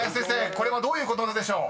これはどういうことわざでしょう？］